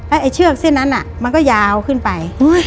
ไอ้เชือกเส้นนั้นมันก็ยาวขึ้นไป